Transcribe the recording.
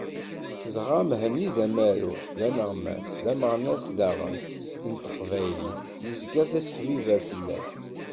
Dɣa, Mhenni d amaru, d aneɣmas, d ameɣnas daɣen n teqbaylit, yezga d aseḥbibber fell-as.